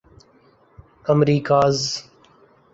Americas